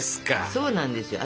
そうなんですよ。